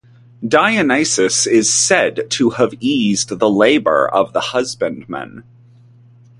Dionysus is said to have eased the labor of the husbandman.